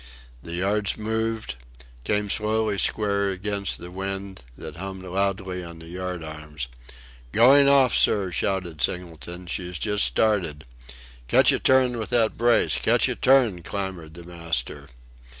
The yards moved, came slowly square against the wind, that hummed loudly on the yard arms. "Going off, sir," shouted Singleton, "she's just started." "Catch a turn with that brace. Catch a turn!" clamoured the master.